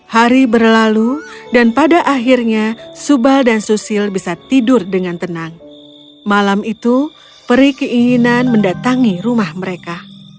hari berlalu dan pada akhirnya subal dan susil bisa tidur dengan tenang malam itu peri keinginan mendatangi rumah mereka